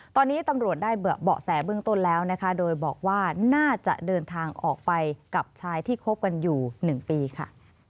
ตอนนี้ตำรวจได้เบาะแสเบื้องต้นแล้วนะคะโดยบอกว่าน่าจะเดินทางออกไปกับชายที่คบกันอยู่๑ปีค่ะ